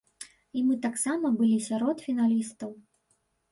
І мы таксама былі сярод фіналістаў.